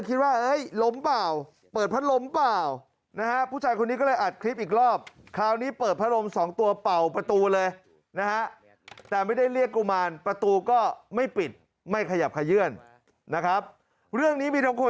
คิดว่าล้มเปล่าเปิดพระลมเปล่านะครับผู้ชายคนนี้ก็เลยอัดคลิปอีกรอบ